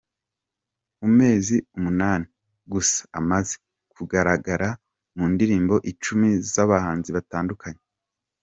Mu mezi umunani gusa amaze kugaragara mu ndirimo Icumi z’abahanzi batandukanye